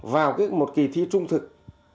vào cái một kỳ thi trung thực